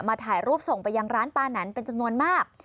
ถ่ายรูปส่งไปยังร้านปานันเป็นจำนวนมาก